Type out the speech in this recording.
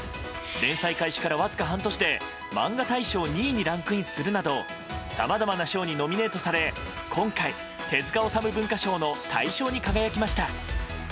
連載開始からわずか半年でマンガ大賞２位にランクインするなどさまざまな賞にノミネートとされ今回、手塚治虫文化賞の大賞に輝きました。